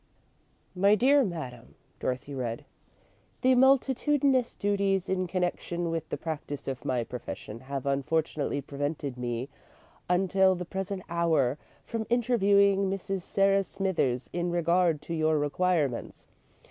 "My dear Madam," Dorothy read. "The multitudinous duties in connection with the practice of my profession have unfortunately prevented me, until the present hour, from interviewing Mrs. Sarah Smithers in regard to your requirements.